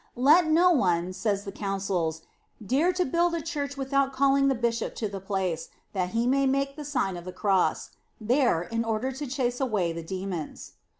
"Let no one," say the Coun cils, " dare to build a Church without calling the Bishop to the place, that he may make the Sign of the Cross" there, in order to chase away the demons.